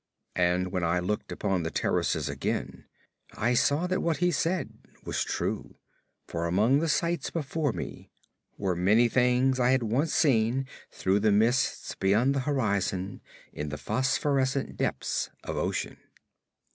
And when I looked upon the terraces again I saw that what he said was true, for among the sights before me were many things I had once seen through the mists beyond the horizon and in the phosphorescent depths of ocean.